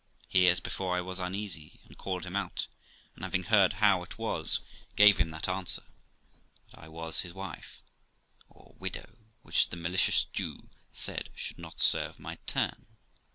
Here, as before, I was uneasy, and called him out, and, having heard how it was, gave him that answer, that I was his wife, or widow, which the malicious Jew said should not serve my turn.